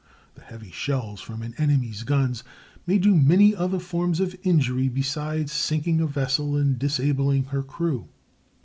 The heavy shells from an enemy's guns may do many other forms of injury besides sinking a vessel and disabling her crew.